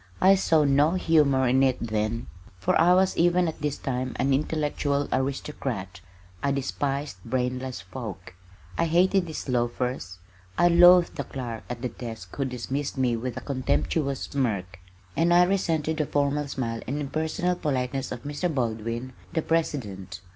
I saw no humor in it then, for I was even at this time an intellectual aristocrat. I despised brainless folk. I hated these loafers. I loathed the clerk at the desk who dismissed me with a contemptuous smirk, and I resented the formal smile and impersonal politeness of Mr. Baldwin, the President.